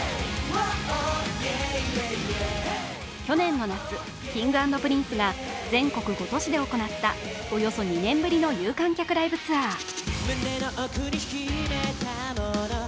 去年の夏、Ｋｉｎｇ＆Ｐｒｉｎｃｅが全国５都市で行ったおよそ２年ぶりの有観客ライブツアー。